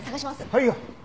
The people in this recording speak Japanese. はいよ。